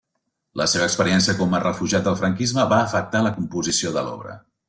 La seva experiència com a refugiat del franquisme va afectar la composició de l'obra.